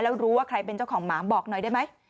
แล้วรู้ว่าใครเป็นเจ้าของหมาบอกหน่อยได้ไหม